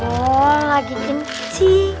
oh lagi kencing